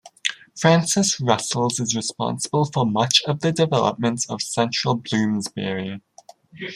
Francis Russell is responsible for much of the development of central Bloomsbury.